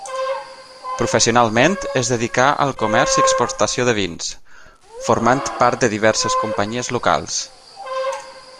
Professionalment es dedicà al comerç i exportació de vins, formant part de diverses companyies locals.